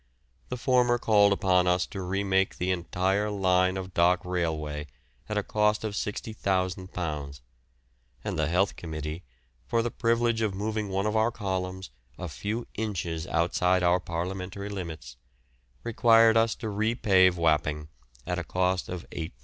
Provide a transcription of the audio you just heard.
The former called upon us to re make the entire line of dock railway at a cost of £60,000, and the Health Committee, for the privilege of moving one of our columns a few inches outside our Parliamentary limits, required us to re pave Wapping at a cost of £8,000.